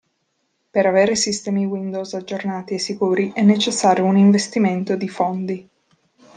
Per avere sistemi Windows aggiornati e sicuri è necessario un investimento di fondi.